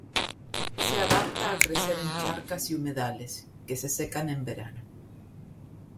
Se adapta a crecer en charcas y humedales, que se secan en verano.